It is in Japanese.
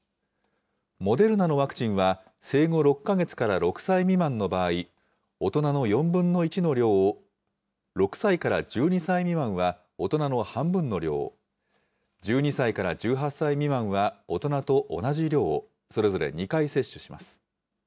モデルナのワクチンは、生後６か月から６歳未満の場合、大人の４分の１の量を、６歳から１２歳未満は大人の半分の量を、１２歳から１８歳未満は大人と同じ量を、それぞれ２回接種します。